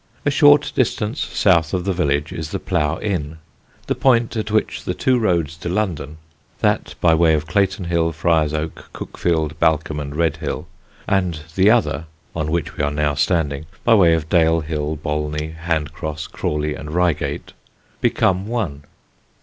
A short distance south of the village is the Plough Inn, the point at which the two roads to London that by way of Clayton Hill, Friar's Oak, Cuckfield, Balcombe and Redhill, and the other (on which we are now standing) by way of Dale Hill, Bolney, Hand Cross, Crawley and Reigate become one.